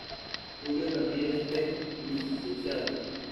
Tulio Ramírez P., Lic.